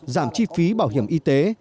giảm chi phí bảo hiểm y tế